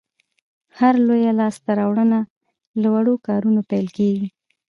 هره لویه لاسته راوړنه له وړو کارونو پیل کېږي.